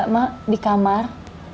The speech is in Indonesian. ma di kamar